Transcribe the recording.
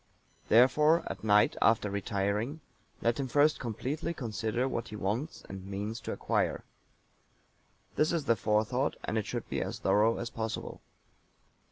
Therefore at night, after retiring, let him first completely consider what he wants and means to acquire. This is the Forethought, and it should be as thorough as possible.